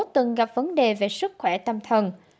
từng gặp vấn đề về sức khỏe tâm thần